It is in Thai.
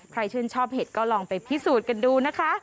ชื่นชอบเห็ดก็ลองไปพิสูจน์กันดูนะคะ